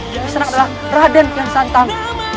yang senang adalah raden kian santang